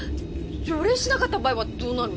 除霊しなかった場合はどうなるの？